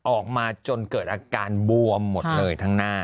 ออกมาจนเกิดอาการบวมหมดเลยทั้งหน้า